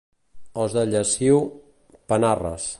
Els de Llessui, panarres.